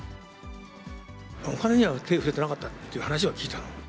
お金には手触れてなかったという話は聞いたの。